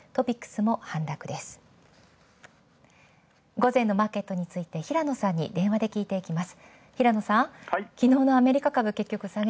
午前のマーケットについて平野さんに電話で聞きます。